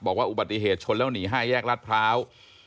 บอกว่าอุบัติเหตุชนแล้วหนีให้แยกรัดพร้าว